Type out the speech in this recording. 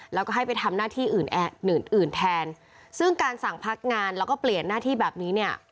แล้วก็ให้ไปทำหน้าที่อื่นอื่นแทนซึ่งการสั่งพักงานแล้วก็เปลี่ยนหน้าที่แบบนี้เนี่ย